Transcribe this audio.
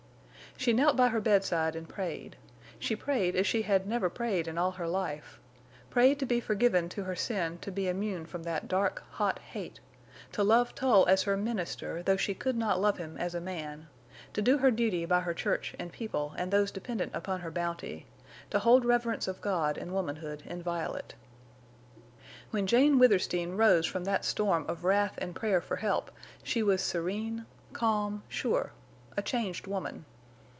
She knelt by her bedside and prayed; she prayed as she had never prayed in all her life—prayed to be forgiven for her sin to be immune from that dark, hot hate; to love Tull as her minister, though she could not love him as a man; to do her duty by her church and people and those dependent upon her bounty; to hold reverence of God and womanhood inviolate. When Jane Withersteen rose from that storm of wrath and prayer for help she was serene, calm, sure—a changed woman.